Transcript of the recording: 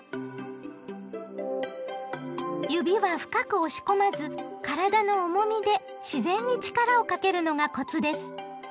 指は深く押し込まず体の重みで自然に力をかけるのがコツです。